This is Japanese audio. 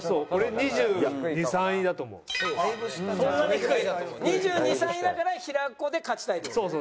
２２２３位だから平子で勝ちたいという事ですね？